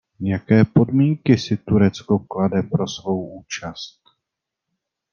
Jaké podmínky si Turecko klade pro svou účast?